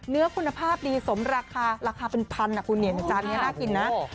เนื้อคุณภาพดีสมราคาราคาเป็นพันนะคุณเห็นจานนี้น่ากินนะ